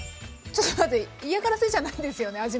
ちょっと待って嫌がらせじゃないですよね？